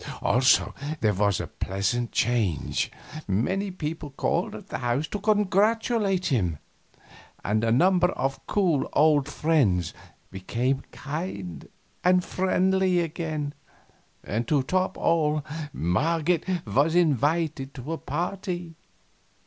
Also, there was a pleasant change; many people called at the house to congratulate him, and a number of cool old friends became kind and friendly again; and, to top all, Marget was invited to a party.